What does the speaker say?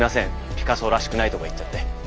「ピカソらしくない」とか言っちゃって。